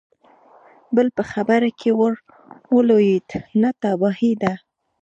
بل په خبره کې ور ولوېد: نه، تباهي ده!